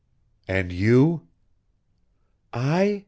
"And you?" "I?"